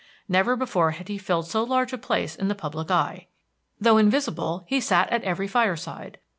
Never before had he filled so large a place in the public eye. Though invisible, he sat at every fireside.